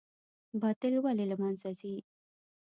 باطل ولې له منځه ځي؟